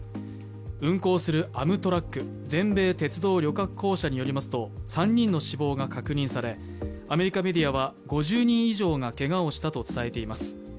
運行するアムトラック＝全米鉄道旅客公社によりますと、３人の死亡が確認され、アメリカメディアは５０人以上がけがをしたと伝えています。